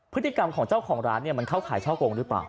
พฤติกรรมของเจ้าของร้านมันเข้าขายช่อโกงหรือเปล่า